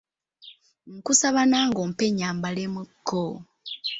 Nkusaba nange ompe nnyambalemukko.